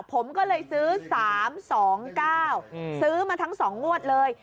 ผมก็เลยซื้อสามสองเก้าอืมซื้อมาทั้งสองงวดเลย